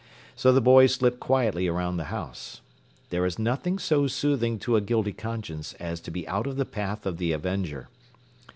So the boy slipped quietly around the house. There is nothing so soothing to a guilty conscience as to be out of the path of the avenger.